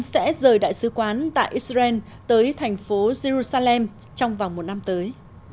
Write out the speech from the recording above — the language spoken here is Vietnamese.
sẽ rời đại sứ quán tại israel tới thành phố jerusalem trong vòng một năm tới